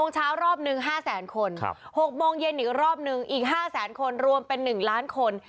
เช้ารอบนึง๕แสนคน๖โมงเย็นอีกรอบนึงอีก๕แสนคนรวมเป็น๑ล้านคน